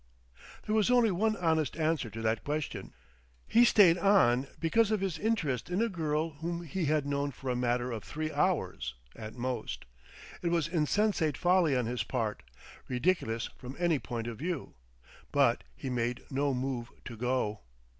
There was only one honest answer to that question. He stayed on because of his interest in a girl whom he had known for a matter of three hours, at most. It was insensate folly on his part, ridiculous from any point of view. But he made no move to go.